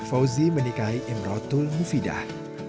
fawzi menikahi imratul mufidah